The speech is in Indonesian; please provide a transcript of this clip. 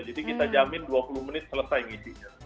jadi kita jamin dua puluh menit selesai ngisinya